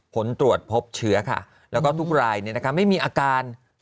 ผลตรวจพบเชื้อค่ะแล้วก็ทุกรายไม่มีอาการ